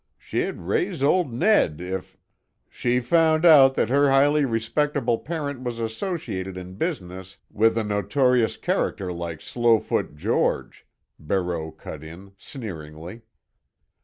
She'd raise old Ned if——" "She found out that her highly respectable parent was associated in business with a notorious character like Slowfoot George," Barreau cut in sneeringly.